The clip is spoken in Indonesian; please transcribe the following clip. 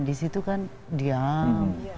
di situ kan diam